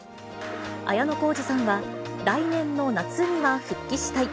綾小路さんは、来年の夏には復帰したい。